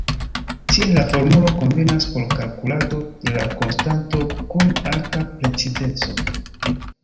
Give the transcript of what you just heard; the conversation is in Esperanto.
Tiel la formulo konvenas por kalkulado de la konstanto kun alta precizeco.